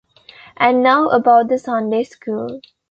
And now about the Sunday school.